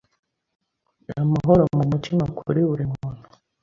amahoro mu mutima kuri buri muntu